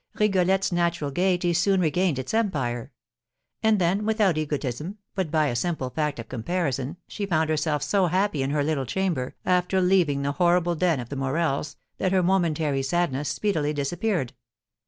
Rigolette's natural gaiety soon regained its empire; and then, without egotism, but by a simple fact of comparison, she found herself so happy in her little chamber, after leaving the horrible den of the Morels, that her momentary sadness speedily disappeared.